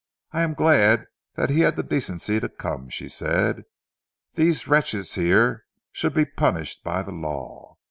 "I am glad he had the decency to come," she said. "These wretches here should be punished by the law.